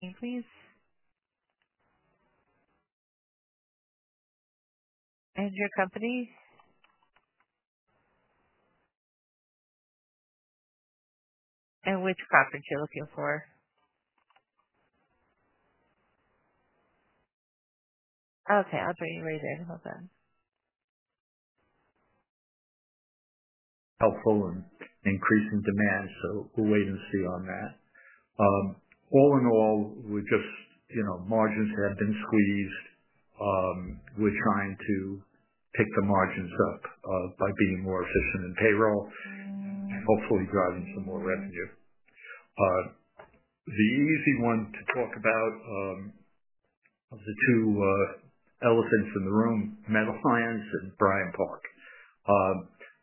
Can you please? Your company? Which property are you looking for? Okay. I'll bring you right in. Hold on. Helpful in increasing demand, so we'll wait and see on that. All in all, we're just, you know, margins have been squeezed. We're trying to pick the margins up, by being more efficient in payroll, hopefully driving some more revenue. The easy one to talk about, of the two, elephants in the room, Meadowlands and Bryant Park.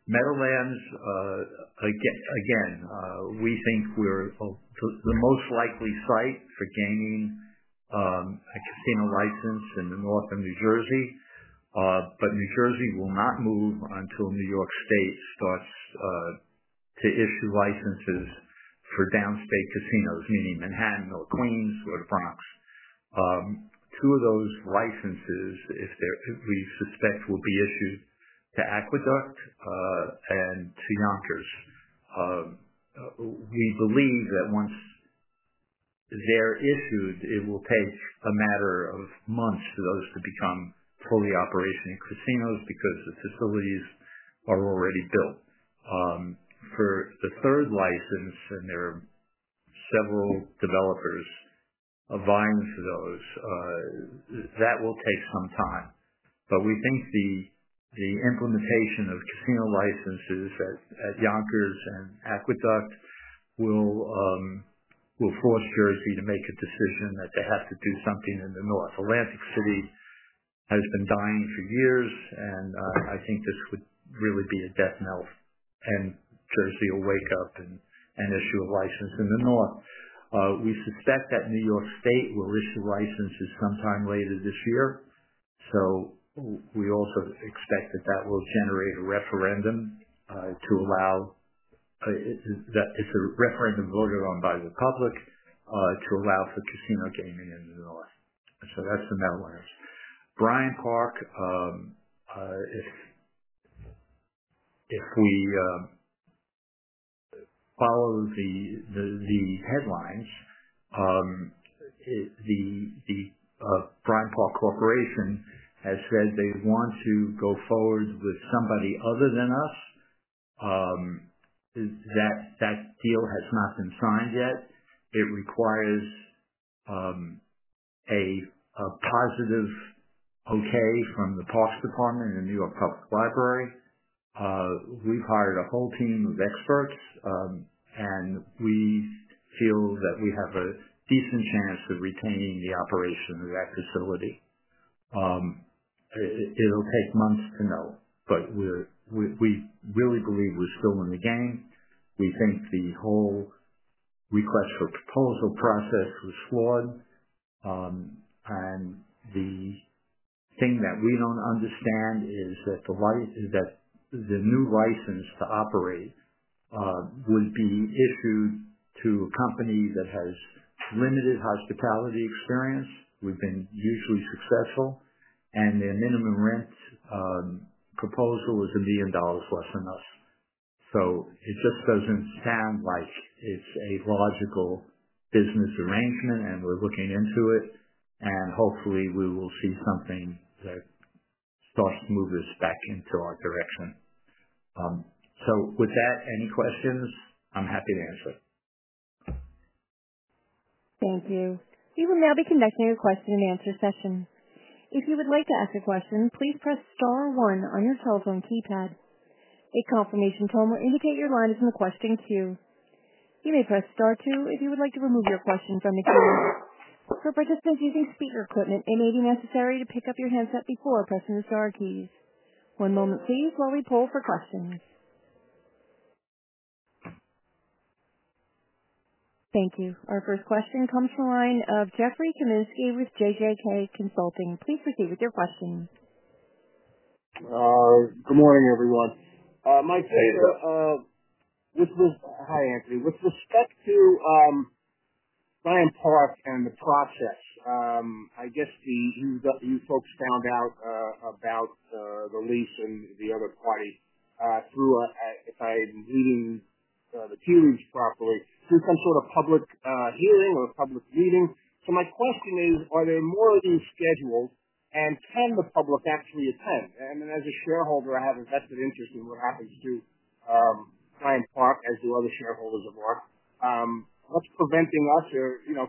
Meadowlands, again, we think we're the most likely site for gaining a casino license in the North of New Jersey. New Jersey will not move until New York State starts to issue licenses for downstate casinos, meaning Manhattan or Queens or Bronx. Two of those licenses, if they're if we suspect, will be issued to Aqueduct and to Yonkers. We believe that once they're issued, it will take a matter of months for those to become fully operational casinos because the facilities are already built. For the third license, and there are several developers aligned to those, that will take some time. We think the implementation of casino licenses at Yonkers and Aqueduct will force Jersey to make a decision that they have to do something in the North. Atlantic City has been dying for years, and I think this would really be a death knell. Jersey will wake up and issue a license in the North. We suspect that New York State will issue licenses sometime later this year. We also expect that will generate a referendum, to allow, that it's a referendum voted on by the public, to allow for casino gaming in the North. That's the Meadowlands. Bryant Park, if we follow the headlines, the Bryant Park Corporation has said they want to go forward with somebody other than us. That deal has not been signed yet. It requires a positive okay from the Parks Department and New York Public Library. We've hired a whole team of experts, and we feel that we have a decent chance of retaining the operation of that facility. It'll take months to know, but we really believe we're still in the game. We think the whole request for proposal process was flawed. The thing that we don't understand is that the license, that the new license to operate, would be issued to a company that has limited hospitality experience. We've been usually successful, and their minimum rent proposal is $1 million less than us. It just doesn't sound like it's a logical business arrangement, and we're looking into it, and hopefully we will see something that starts to move us back into our direction. With that, any questions? I'm happy to answer. Thank you. You will now be conducting a question-and-answer session. If you would like to ask a question, please press star one on your telephone keypad. A confirmation form will indicate your line is requesting queue. You may press star two if you would like to remove your question from the queue. For participants using speaker equipment, it may be necessary to pick up your headset before pressing the star keys. One moment, please, while we pull for questions. Thank you. Our first question comes from the line of Jeffrey Kaminsky with JJK Consulting. Please proceed with your questions. Good morning, everyone. Michael, which was, hi, Anthony. With respect to Bryant Park and the process, I guess the folks found out about the lease and the other party through a meeting, the queues properly, through some sort of public hearing or public meeting. My question is, are there more than scheduled, and can the public actually attend? As a shareholder, I have a vested interest in what happens to Bryant Park and to other shareholders of ours. What's preventing us or, you know,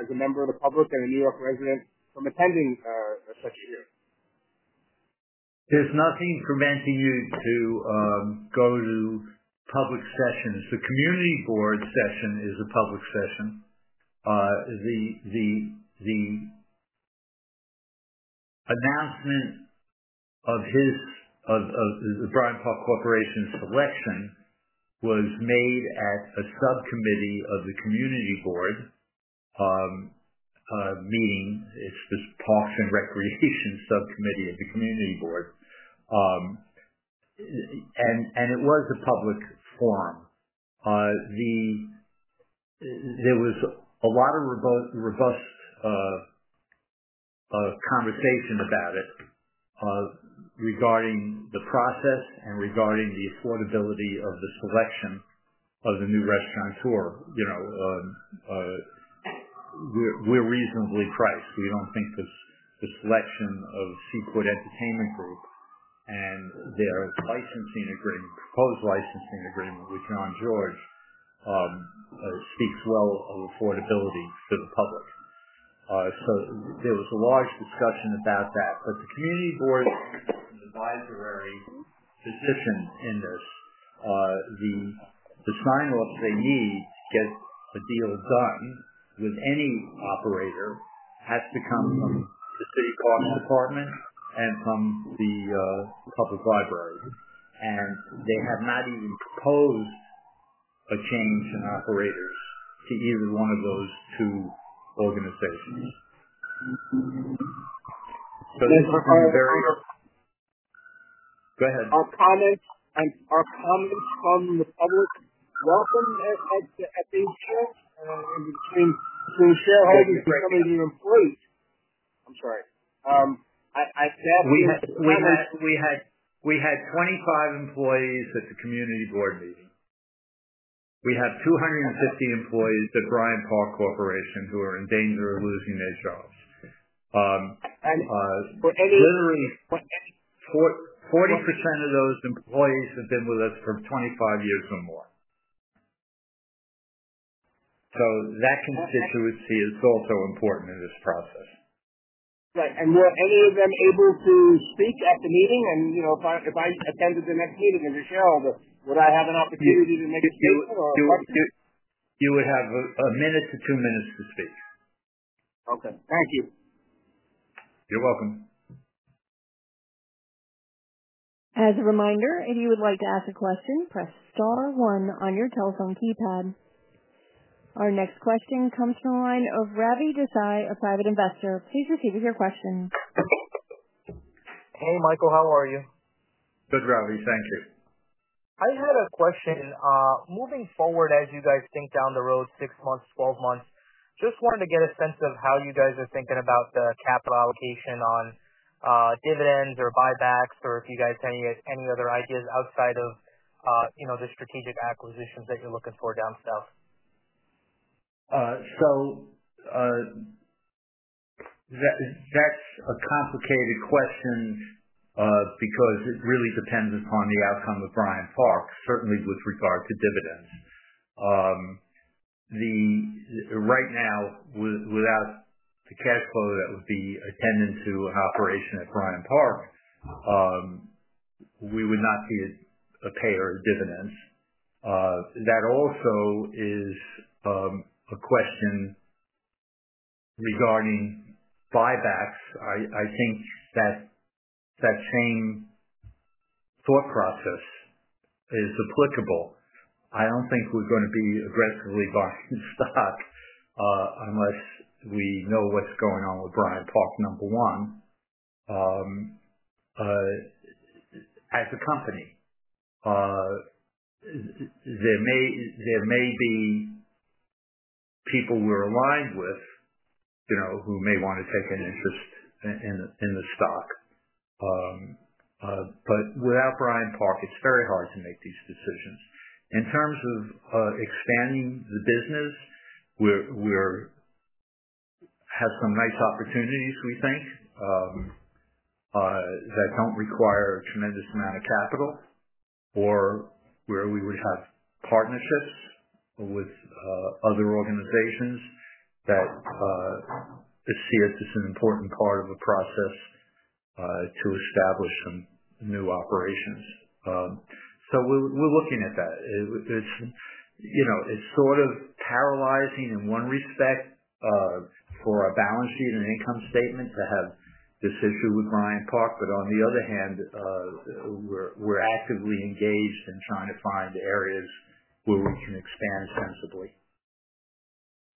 as a member of the public and a New York resident, from attending such a hearing? There's nothing preventing you to go to public sessions. The community board session is a public session. The announcement of the Bryant Park Corporation's selection was made at a subcommittee of the community board, meaning it's the Parks and Recreation Subcommittee of the community board. It was a public forum. There was a lot of robust conversation about it, regarding the process and regarding the affordability of the selection of the new restaurateurs. You know, we're reasonably priced. We don't think the selection of Seaport Entertainment Group and their proposed licensing agreement with Jean-Georges speaks well of affordability to the public. There was a large discussion about that. The community board advisory position in this, the triangle of Jamie gets a deal done with any operator has to come from the City Hall Department and from the Public Library. They have not even proposed a change in operators to either one of those two organizations. Go ahead. Our comments and our comments from the public welcome at the shareholders of the employees. I'm sorry. I said we had 25 employees at the community board meeting. We have 250 employees at Bryant Park Corporation who are in danger of losing their jobs. Literally 40% of those employees have been with us for 25 years or more. That constituency is also important in this process. Right. Were any of them able to speak at the meeting? You know, if I attended the next meeting as a shareholder, would I have an opportunity to make a statement? You would have a minute to two minutes to speak. Okay. Thank you. You're welcome. As a reminder, if you would like to ask a question, press Star 1 on your telephone keypad. Our next question comes from the line of Ravi Desai, a private investor. Please proceed with your question. Hey, Michael, how are you? Good, Ravi. Thank you. I had a question. Moving forward, as you guys think down the road, six months, twelve months, just wanted to get a sense of how you guys are thinking about the capital allocation on dividends or buybacks, or if you guys have any, any other ideas outside of, you know, the strategic acquisitions that you're looking for down south. That, that's a complicated question, because it really depends upon the outcome of Bryant Park, certainly with regard to dividends. Right now, without the cash flow that would be attending to an operation at Bryant Park, we would not see a payer of dividends. That also is a question regarding buybacks. I think that, that same thought process is applicable. I don't think we're going to be aggressively buying stocks, unless we know what's going on with Bryant Park, number one. As a company, there may be people we're aligned with, you know, who may want to take an interest in the stock. But without Bryant Park, it's very hard to make these decisions. In terms of expanding the business, we have some nice opportunities, we think, that do not require a tremendous amount of capital, or where we would have partnerships with other organizations that, it's here, it's an important part of the process, to establish some new operations. We are looking at that. It's, you know, it's sort of paralyzing in one respect, for a balance sheet and income statement to have this issue with Bryant Park. On the other hand, we are actively engaged in trying to find areas where we can expand sensibly.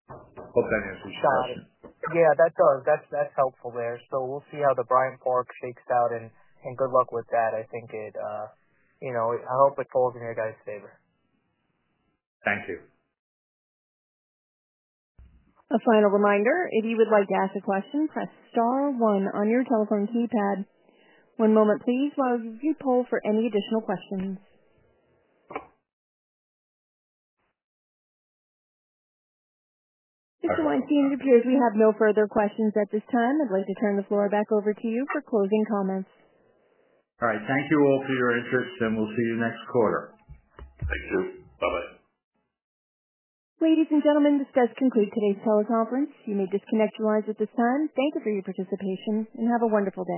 That is exciting. Yeah, that's helpful there. We'll see how the Bryant Park takes out, and good luck with that. I think it, you know, I hope it falls in your guys' favor. Thank you. A final reminder, if you would like to ask a question, press Star 1 on your telephone keypad. One moment, please, while we pull for any additional questions. Mr. Weinstein, it appears we have no further questions at this time. I'd like to turn the floor back over to you for closing comments. All right. Thank you all for your interest, and we'll see you next quarter. Thank you. Bye-bye. Ladies and gentlemen, this does conclude today's teleconference. You may disconnect your lines at this time. Thank you for your participation, and have a wonderful day.